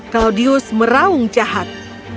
claudius merawung jahat